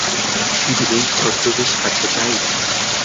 শুধু এই ছদ্মবেশ আছে তাই?